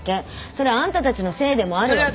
それあんたたちのせいでもあるわけ。